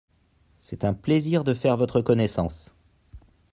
C'est un plaisir de faire votre connaissance.